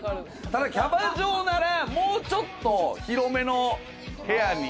ただキャバ嬢ならもうちょっと広めの部屋に。